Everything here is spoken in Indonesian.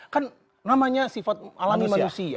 kan namanya sifat alami manusia